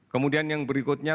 kemudian yang berikutnya